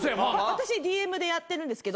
私ＤＭでやってるんですけど。